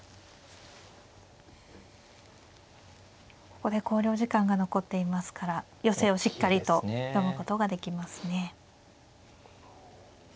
ここで考慮時間が残っていますから寄せをしっかりと読むことができますね。